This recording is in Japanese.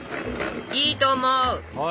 いいと思う。